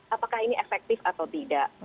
apakah ini efektif atau tidak